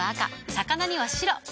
魚には白。